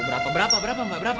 berapa berapa berapa mbak berapa